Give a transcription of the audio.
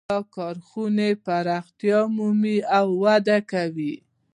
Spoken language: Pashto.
د دې کارخانې پراختیا مومي او وده کوي